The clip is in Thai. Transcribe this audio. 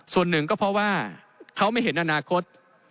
ส่วนหนึ่งก็เพราะว่าเขาไม่เห็นอนาคต